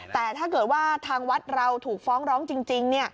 แต่ถ้าเกิดว่าทางวัดเราถูกฟ้องร้องจริง